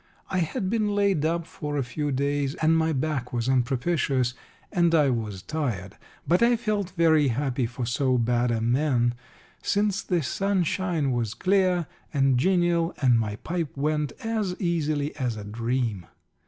I had been laid up for a few days, and my back was unpropitious, and I was tired. But I felt very happy, for so bad a man, since the sunshine was clear and genial, and my pipe went as easily as a dream.